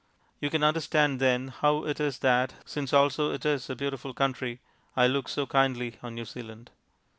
You can understand, then, how it is that, since also it is a beautiful country, I look so kindly on New Zealand.